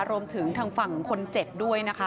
รวมถึงทางฝั่งคนเจ็บด้วยนะคะ